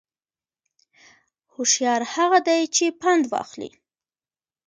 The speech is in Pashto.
هوشیار هغه دی چې پند واخلي